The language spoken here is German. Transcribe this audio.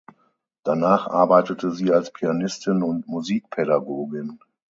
Danach arbeitete sie als Pianistin und Musikpädagogin.